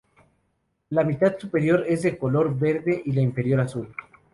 La mitad superior es de color verde y la inferior azul.